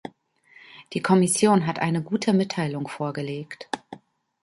Die Kommission hat eine gute Mitteilung vorgelegt.